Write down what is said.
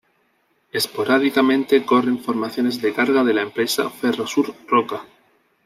Esporádicamente corren formaciones de carga de la empresa Ferrosur Roca.